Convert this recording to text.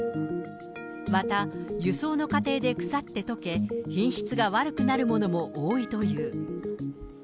また、輸送の過程で腐って溶け、品質が悪くなるものも多いという。